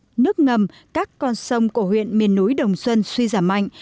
nước mặt nước ngầm các con sông cổ huyện miền núi đồng xuân suy giảm mạnh